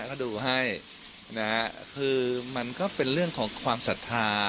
ก็ดูให้นะฮะคือมันก็เป็นเรื่องของความศรัทธา